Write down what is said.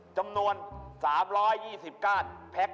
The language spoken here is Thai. จำนวน๓๒๙แพ็ค๓กระปุก